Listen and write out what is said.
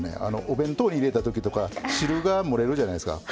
お弁当に入れた時とか汁が漏れるじゃないですか。